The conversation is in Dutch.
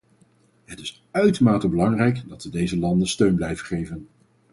Het is uitermate belangrijk dat we deze landen steun blijven geven.